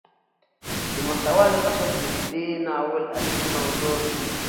د محتوا له مخې ده دې ناول اصلي موضوع